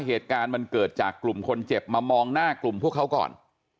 เหตุการณ์มันเกิดจากกลุ่มคนเจ็บมามองหน้ากลุ่มพวกเขาก่อน